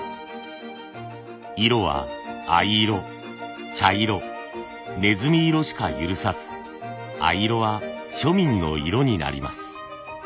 色は藍色茶色ねずみ色しか許さず藍色は庶民の色になります。